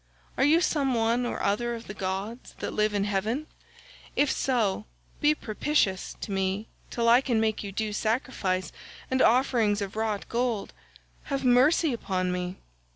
Are you some one or other of the gods that live in heaven? If so, be propitious to me till I can make you due sacrifice and offerings of wrought gold. Have mercy upon me."